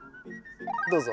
どうぞ。